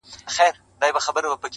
له تودې سینې را وځي نور ساړه وي,